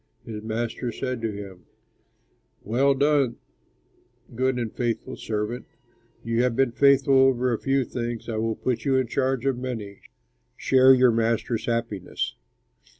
His master said to him 'Well done, good and faithful servant! You have been faithful over a few things, I will put you in charge of many things. Share your master's happiness.'